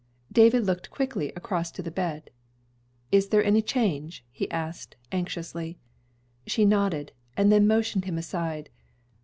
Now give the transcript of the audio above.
David looked quickly across to the bed. "Is there any change?" he asked, anxiously. She nodded, and then motioned him aside.